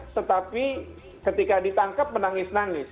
tetapi ketika ditangkap menangis nangis